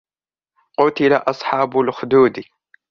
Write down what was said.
قتل أصحاب الأخدود